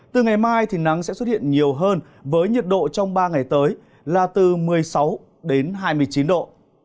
từ ngày mai thì nắng sẽ xuất hiện nhiều hơn với nhiệt độ trong ba ngày tới là từ một mươi sáu đến hai mươi chín độ